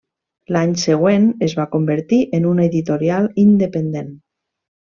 L'any següent es va convertir en una editorial independent.